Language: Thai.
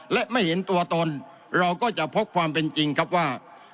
และไม่เห็นตัวตนเราก็จะพบความเป็นจริงครับว่า